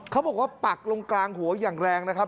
เขาบอกว่าปักลงกลางหัวอย่างแรงนะครับ